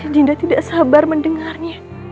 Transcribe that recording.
dinda tidak sabar mendengarnya